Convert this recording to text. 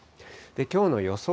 きょうの予想